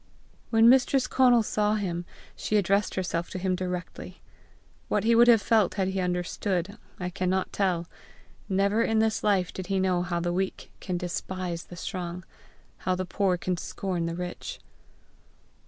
When Mistress Conal saw him, she addressed herself to him directly. What he would have felt had he understood, I cannot tell. Never in this life did he know how the weak can despise the strong, how the poor can scorn the rich!